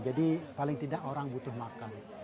jadi paling tidak orang butuh makam